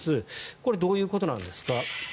これ、どういうことなんですか。